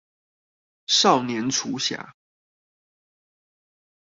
少年廚俠